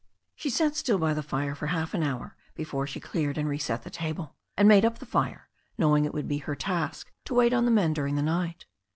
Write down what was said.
She sat still by the fire for half an hour before she cleared and reset the table, and made up the fire, knowing it would be her task to wait on the men during the night.